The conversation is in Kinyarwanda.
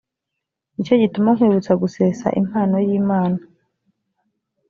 ni cyo gituma nkwibutsa gusesa impano y imana